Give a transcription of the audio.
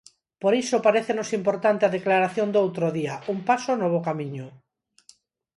Por iso parécenos importante a declaración do outro día, un paso no bo camiño.